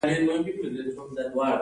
یو کال وروسته د هغه پانګه زیاتېږي